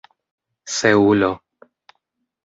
seulo